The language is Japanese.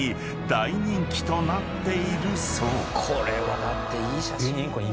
大人気となっているそう］